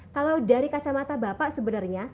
kalau dari kacamata bapak sebenarnya